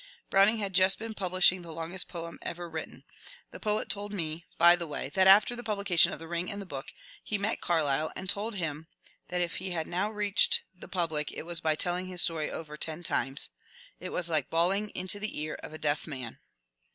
" Browning had just been pub lishing the longest poem ever written. The poet told me, by the way, that after the publication of ^^ The Ring and the Book " he met Carlyle and told him that if he had now reached the public it was by telling his story over ten times. *^ It was like bawling into the ear of a deaf man."